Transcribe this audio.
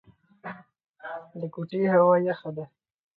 د کوټې هوا يخه ده.